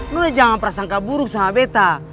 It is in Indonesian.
lu jangan prasangka buruk sama beta